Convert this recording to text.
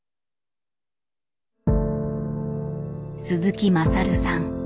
鈴木優さん。